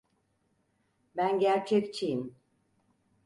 Ben gerçekçiyim.